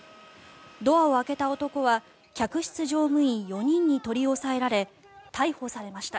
ドアを開けた男は客室乗務員４人に取り押さえられ逮捕されました。